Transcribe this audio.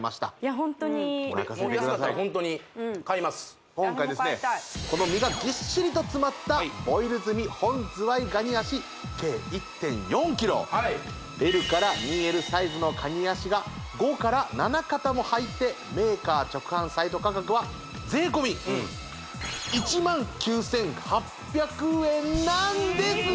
ホントに任せてください今回ですね私も買いたいこの身がぎっしりと詰まったはいＬから２Ｌサイズのカニ脚が５から７肩も入ってメーカー直販サイト価格は税込１万９８００円なんですが！